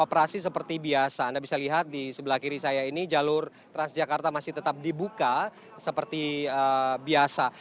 operasi seperti biasa anda bisa lihat di sebelah kiri saya ini jalur transjakarta masih tetap dibuka seperti biasa